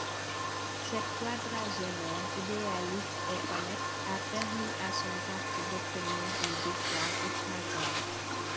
Cette quadragénaire idéaliste et honnête a permis à son parti d’obtenir une victoire écrasante.